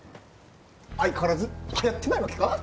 相変わらずはやってないわけか？